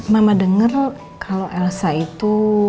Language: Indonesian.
mama dengar kalau elsa itu